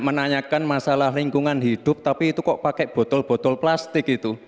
menanyakan masalah lingkungan hidup tapi itu kok pakai botol botol plastik itu